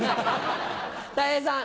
たい平さん。